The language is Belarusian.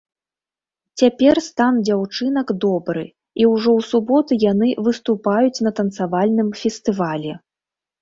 Цяпер стан дзяўчынак добры і ўжо ў суботу яны выступаюць на танцавальным фестывалі.